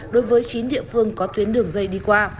đối với chín địa phương có tuyến đường dây đi qua